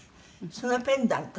そのペンダントは？